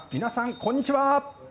こんにちは。